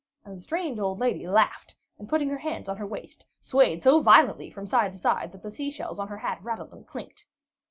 And the strange old lady laughed and, putting her hands on her waist, swayed so violently from side to side that the sea shells on her hat rattled and clicked.